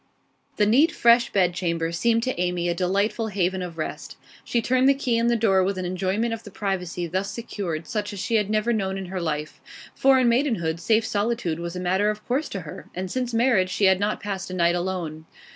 The neat, fresh bedchamber seemed to Amy a delightful haven of rest. She turned the key in the door with an enjoyment of the privacy thus secured such as she had never known in her life; for in maidenhood safe solitude was a matter of course to her, and since marriage she had not passed a night alone.